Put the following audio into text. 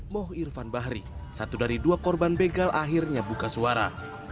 moh irfan bahri satu dari dua korban begal akhirnya buka suara